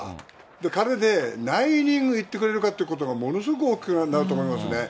彼で何イニングいってくれるかっていうのがものすごく大きなことなんだと思いますね。